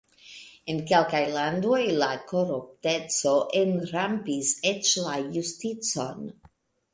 En kelkaj landoj la korupteco enrampis eĉ la justicon.